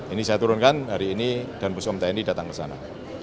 ini saya turunkan hari ini dan puskom tni datang ke sana